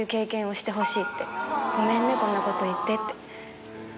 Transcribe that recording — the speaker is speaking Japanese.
「してほしいごめんねこんなこと言って」って。